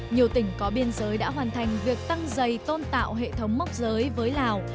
nhiều tỉnh có biên giới đã hoàn thành việc tăng dày tôn tạo hệ thống mốc giới với lào